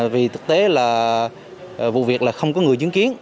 vì thực tế là vụ việc là không có người chứng kiến